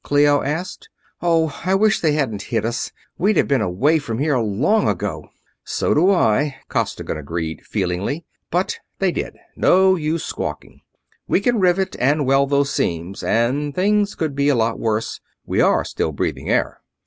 Clio asked. "Oh, I wish they hadn't hit us we'd have been away from here long ago." "So do I," Costigan agreed, feelingly. "But they did no use squawking. We can rivet and weld those seams, and things could be a lot worse we are still breathing air!"